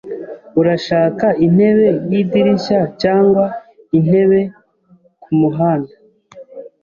Urashaka intebe yidirishya cyangwa intebe kumuhanda?